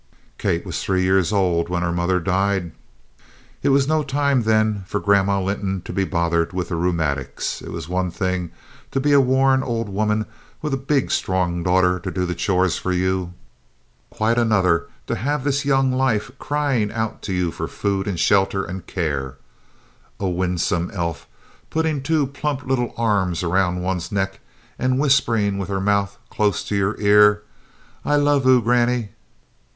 Kate was three years old when her mother died. It was no time then for Grandma Linton to be bothered with the rheumatics. It was one thing to be a worn old woman with a big strong daughter to do the chores for you, quite another to have this young life crying out to you for food and shelter and care, a winsome elf putting two plump little arms around one's neck and whispering with her mouth close to your ear, "I love oo, Grannie."